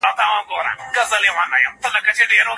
ما دا لوی امانت تا ته وسپاره.